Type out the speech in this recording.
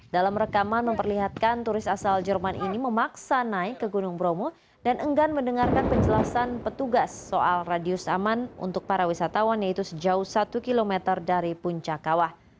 dalam rekaman memperlihatkan turis asal jerman ini memaksa naik ke gunung bromo dan enggan mendengarkan penjelasan petugas soal radius aman untuk para wisatawan yaitu sejauh satu km dari puncak kawah